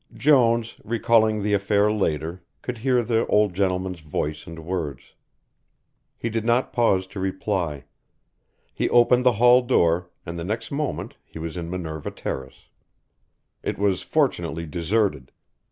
Jones, recalling the affair later, could hear the old gentleman's voice and words. He did not pause to reply. He opened the hall door, and the next moment he was in Minerva Terrace. It was fortunately deserted.